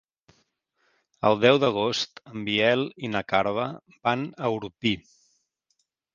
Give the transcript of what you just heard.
El deu d'agost en Biel i na Carla van a Orpí.